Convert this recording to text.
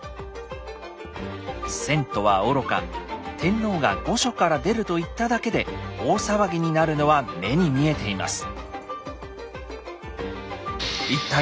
遷都はおろか天皇が御所から出ると言っただけで大騒ぎになるのは目に見えています。